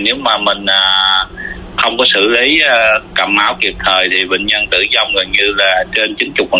nếu mà mình không có xử lý cầm máu kịp thời thì bệnh nhân tử vong gần như là trên chín mươi